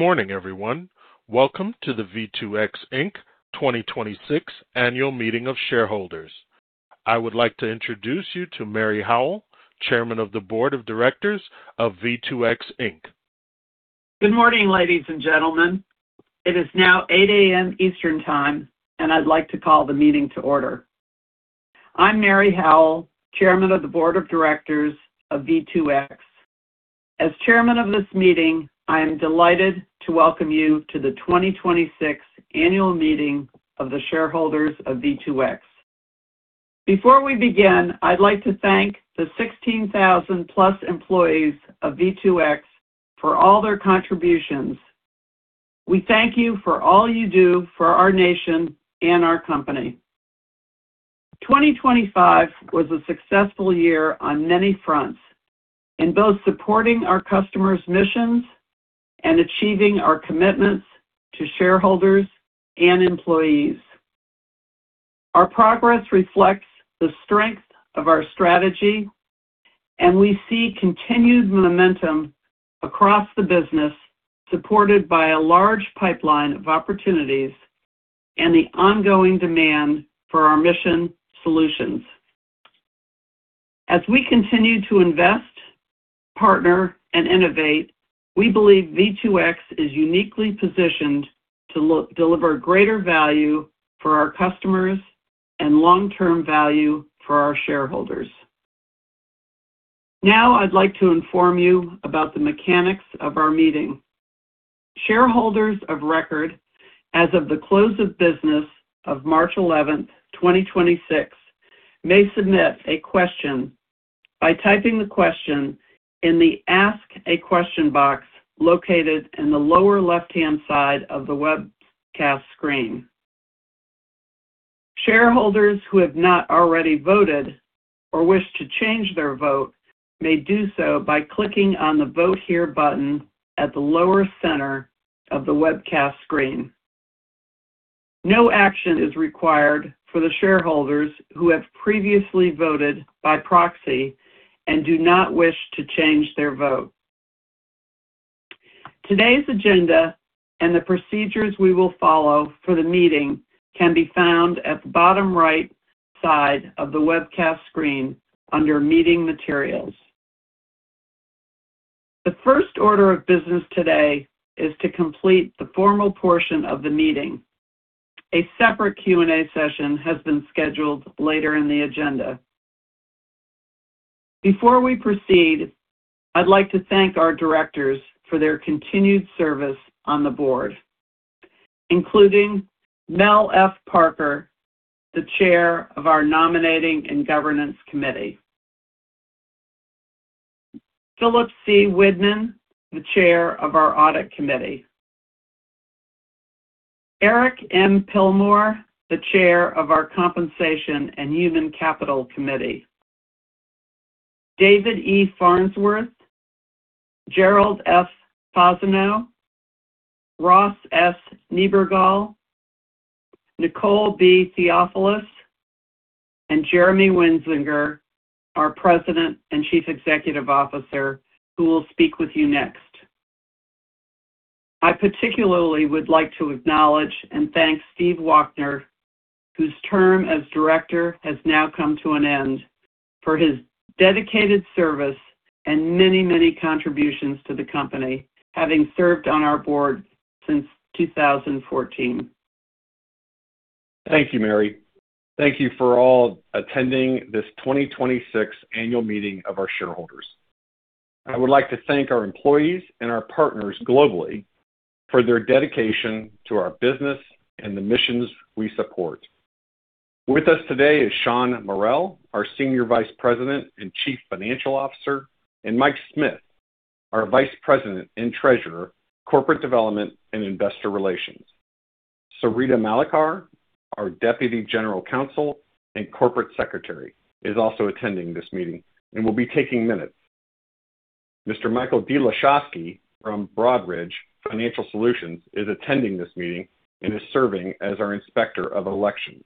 Good morning, everyone. Welcome to the V2X, Inc. 2026 Annual Meeting of Shareholders. I would like to introduce you to Mary Howell, Chairman of the Board of Directors of V2X, Inc. Good morning, ladies and gentlemen. It is now 8:00 A.M. Eastern Time, and I'd like to call the meeting to order. I'm Mary Howell, Chairman of the Board of Directors of V2X. As chairman of this meeting, I am delighted to welcome you to the 2026 Annual Meeting of the Shareholders of V2X. Before we begin, I'd like to thank the 16,000+ employees of V2X for all their contributions. We thank you for all you do for our nation and our company. 2025 was a successful year on many fronts in both supporting our customers' missions and achieving our commitments to shareholders and employees. Our progress reflects the strength of our strategy, and we see continued momentum across the business, supported by a large pipeline of opportunities and the ongoing demand for our mission solutions. As we continue to invest, partner, and innovate, we believe V2X is uniquely positioned to deliver greater value for our customers and long-term value for our shareholders. I'd like to inform you about the mechanics of our meeting. Shareholders of record as of the close of business of March 11th, 2026, may submit a question by typing the question in the Ask a Question box located in the lower left-hand side of the webcast screen. Shareholders who have not already voted or wish to change their vote may do so by clicking on the Vote Here button at the lower center of the webcast screen. No action is required for the shareholders who have previously voted by proxy and do not wish to change their vote. Today's agenda and the procedures we will follow for the meeting can be found at the bottom right side of the webcast screen under Meeting Materials. The first order of business today is to complete the formal portion of the meeting. A separate Q&A session has been scheduled later in the agenda. Before we proceed, I'd like to thank our directors for their continued service on the board, including Mel F. Parker, the Chair of our Nominating and Governance Committee; Phillip C. Widman, the Chair of our Audit Committee; Eric M. Pillmore, the Chair of our Compensation and Human Capital Committee; David E. Farnsworth, Gerard A. Fasano, Ross S. Niebergall, Nicole B. Theophilus, and Jeremy Wensinger, our President and Chief Executive Officer, who will speak with you next. I particularly would like to acknowledge and thank Stephen L. Waechter, whose term as director has now come to an end, for his dedicated service and many, many contributions to the company, having served on our board since 2014. Thank you, Mary. Thank you for all attending this 2026 Annual Meeting of our Shareholders. I would like to thank our employees and our partners globally for their dedication to our business and the missions we support. With us today is Shawn Mural, our Senior Vice President and Chief Financial Officer, and Mike Smith, our Vice President and Treasurer, Corporate Development, and Investor Relations. Sarita Malakar, our Deputy General Counsel and Corporate Secretary, is also attending this meeting and will be taking minutes. Mr. Michael Delashofsky from Broadridge Financial Solutions is attending this meeting and is serving as our Inspector of Elections.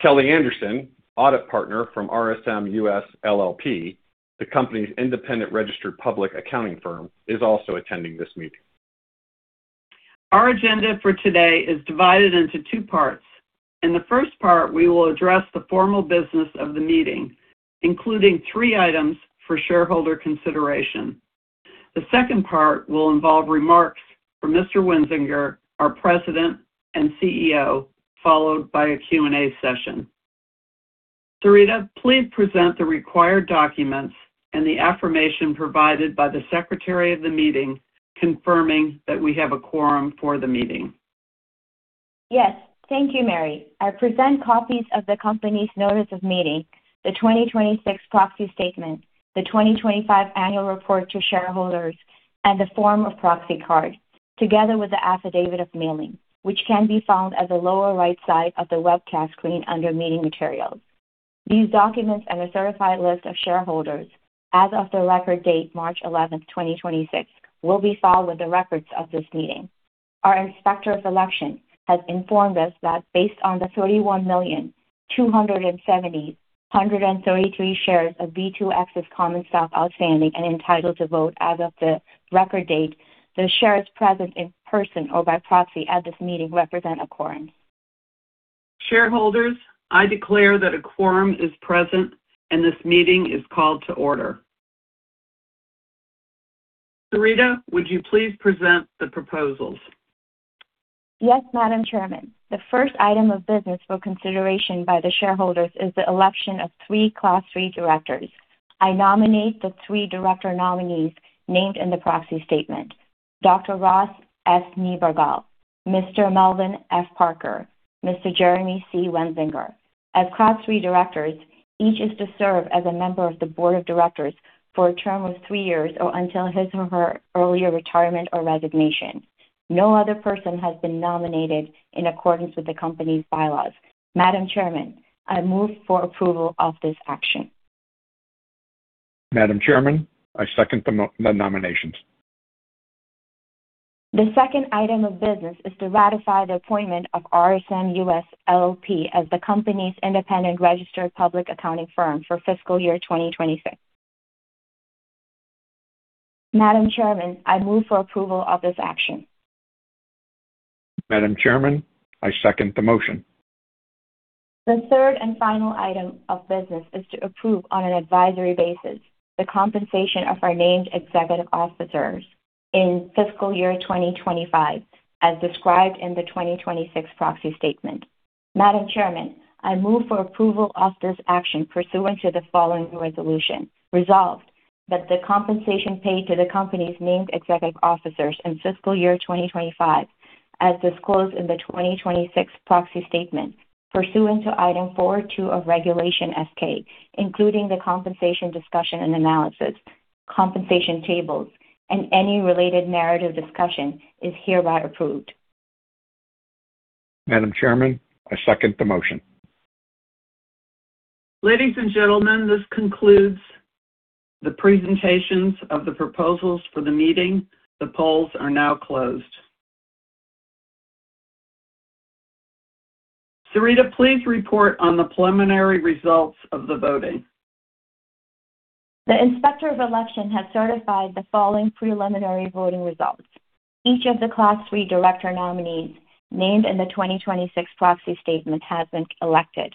Kelly Anderson, Audit Partner from RSM US LLP, the company's independent registered public accounting firm, is also attending this meeting. Our agenda for today is divided into two parts. In the first part, we will address the formal business of the meeting, including three items for shareholder consideration. The second part will involve remarks from Mr. Wensinger, our President and CEO, followed by a Q&A session. Sarita, please present the required documents and the affirmation provided by the Secretary of the meeting confirming that we have a quorum for the meeting. Yes. Thank you, Mary. I present copies of the company's Notice of Meeting, the 2026 Proxy Statement, the 2025 Annual Report to Shareholders, and the form of proxy card, together with the Affidavit of Mailing, which can be found at the lower right side of the webcast screen under Meeting Materials. These documents and a certified list of shareholders as of the record date, March 11th, 2026, will be filed with the records of this meeting. Our Inspector of Elections has informed us that based on the 31,027,033 shares of V2X's common stock outstanding and entitled to vote as of the record date, the shares present in person or by proxy at this meeting represent a quorum. Shareholders, I declare that a quorum is present, and this meeting is called to order. Sarita, would you please present the proposals? Yes, Madam Chairman. The first item of business for consideration by the shareholders is the election of three Class III directors. I nominate the three director nominees named in the proxy statement, Dr. Ross S. Niebergall, Mr. Melvin F. Parker, Mr. Jeremy C. Wensinger. As Class III directors, each is to serve as a member of the board of directors for a term of three years or until his or her earlier retirement or resignation. No other person has been nominated in accordance with the company's bylaws. Madam Chairman, I move for approval of this action. Madam Chairman, I second the nominations. The second item of business is to ratify the appointment of RSM US LLP as the company's independent registered public accounting firm for fiscal year 2026. Madam Chairman, I move for approval of this action. Madam Chairman, I second the motion. The third and final item of business is to approve on an advisory basis the compensation of our named executive officers in fiscal year 2025, as described in the 2026 proxy statement. Madam Chairman, I move for approval of this action pursuant to the following resolution. Resolved, that the compensation paid to the company's named executive officers in fiscal year 2025, as disclosed in the 2026 proxy statement, pursuant to Item 402 of Regulation S-K, including the compensation discussion and analysis, compensation tables, and any related narrative discussion, is hereby approved. Madam Chairman, I second the motion. Ladies and gentlemen, this concludes the presentations of the proposals for the meeting. The polls are now closed. Sarita, please report on the preliminary results of the voting. The Inspector of Elections has certified the following preliminary voting results. Each of the Class III director nominees named in the 2026 proxy statement has been elected.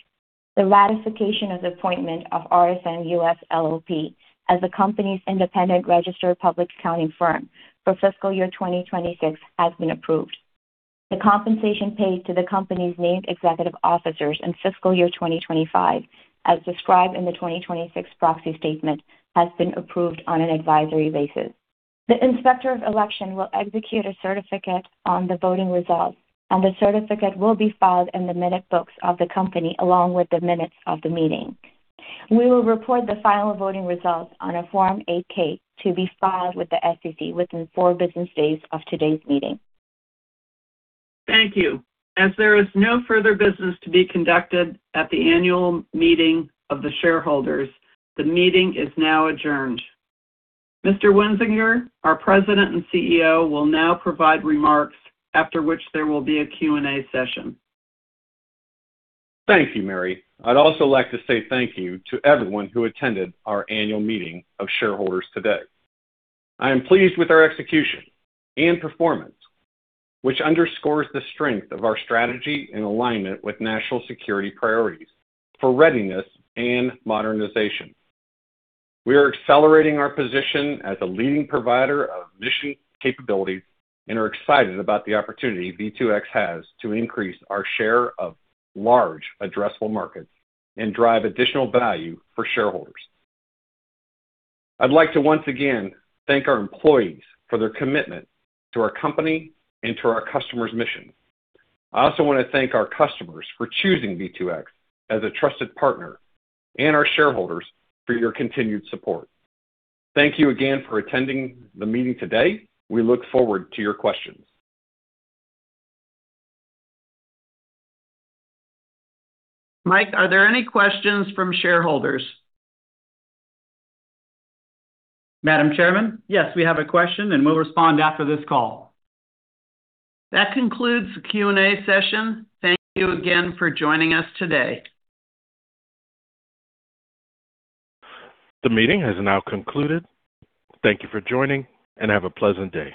The ratification of the appointment of RSM US LLP as the company's independent registered public accounting firm for fiscal year 2026 has been approved. The compensation paid to the company's named executive officers in fiscal year 2025, as described in the 2026 proxy statement, has been approved on an advisory basis. The Inspector of Elections will execute a certificate on the voting results, and the certificate will be filed in the minute books of the company along with the minutes of the meeting. We will report the final voting results on a Form 8-K to be filed with the SEC within four business days of today's meeting. Thank you. As there is no further business to be conducted at the annual meeting of the shareholders, the meeting is now adjourned. Mr. Wensinger, our President and CEO, will now provide remarks after which there will be a Q&A session. Thank you, Mary. I'd also like to say thank you to everyone who attended our annual meeting of shareholders today. I am pleased with our execution and performance, which underscores the strength of our strategy and alignment with national security priorities for readiness and modernization. We are accelerating our position as a leading provider of mission capabilities and are excited about the opportunity V2X has to increase our share of large addressable markets and drive additional value for shareholders. I'd like to once again thank our employees for their commitment to our company and to our customers' mission. I also want to thank our customers for choosing V2X as a trusted partner and our shareholders for your continued support. Thank you again for attending the meeting today. We look forward to your questions. Mike, are there any questions from shareholders? Madam Chairman, yes, we have a question, and we'll respond after this call. That concludes the Q&A session. Thank you again for joining us today. The meeting has now concluded. Thank you for joining, and have a pleasant day.